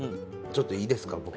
ちょっといいですか？